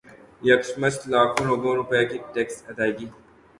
یکمشت لاکھوں لاکھوں روپے کے ٹیکس ادائیگی